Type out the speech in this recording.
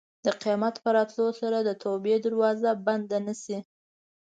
د قیامت په راتلو سره د توبې دروازه بنده نه شي.